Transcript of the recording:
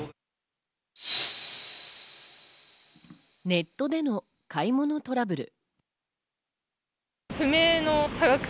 ネットでの買い物トラブル。